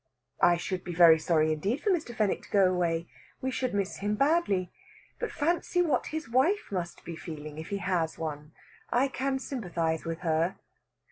"I should be very sorry indeed for Mr. Fenwick to go away. We should miss him badly. But fancy what his wife must be feeling, if he has one. I can sympathize with her."